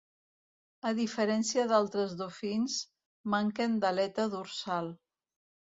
A diferència d'altres dofins, manquen d'aleta dorsal.